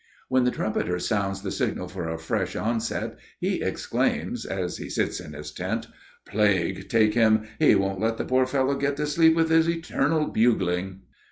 When the trumpeter sounds the signal for a fresh onset, he exclaims as he sits in his tent: "Plague take him! He won't let the poor fellow get to sleep with his eternal bugling."